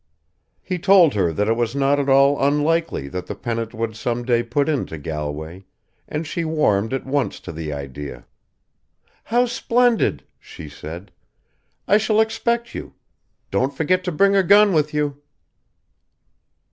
He told her that it was not at all unlikely that the Pennant would some day put into Galway, and she warmed at once to the idea. "How splendid!" she said. "I shall expect you. Don't forget to bring a gun with you."